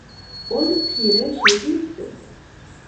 Ol pirе şеý diýipdir